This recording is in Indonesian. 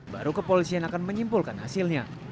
baru ke polisian akan menyimpulkan hasilnya